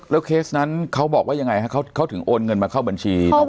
เคสนั้นเขาบอกว่ายังไงเขาถึงโอนเงินมาเข้าบัญชีน้อง